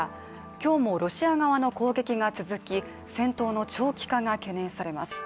今日もロシア側の攻撃が続き、戦闘の長期化が懸念されます。